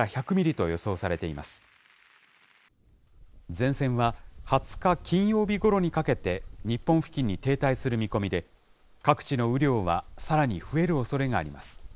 前線は２０日金曜日ごろにかけて日本付近に停滞する見込みで、各地の雨量はさらに増えるおそれがあります。